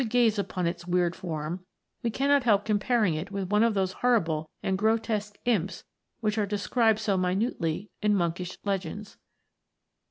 13 gaze upon its weird form, we caunot help comparing it with, one of those horrible and grotesque imps which are described so minutely in monkish legends.